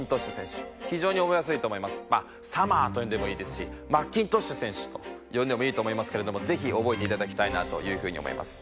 まあ「サマー」と呼んでもいいですし「マッキントッシュ選手」と呼んでもいいと思いますけれどもぜひ覚えていただきたいなという風に思います。